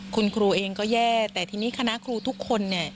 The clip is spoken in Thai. คุณครูเองก็แย่แต่ทีนี้คณะครูทุกคนเนี่ย